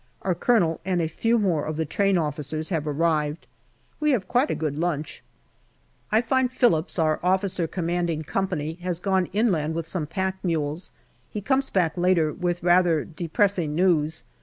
Our Colonel and a few more of the train officers have arrived. We have quite a good lunch. I find Phillips, our O.C. Company, has gone inland with some pack mules. He comes back later with rather depressing news.